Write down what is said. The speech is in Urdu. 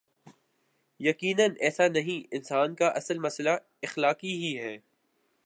یقینا ایسا نہیں انسان کا اصل مسئلہ اخلاقی ہی ہے۔